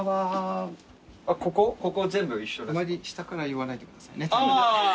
あまり下から言わないでくださいね。